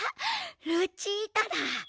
ルチータだ。